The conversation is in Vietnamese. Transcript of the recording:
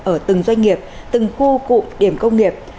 ở từng doanh nghiệp từng khu cụm điểm công nghiệp